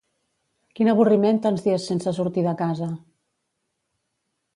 Quin avorriment tants dies sense sortir de casa!